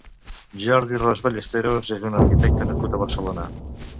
Jordi Ros Ballesteros és un arquitecte nascut a Barcelona.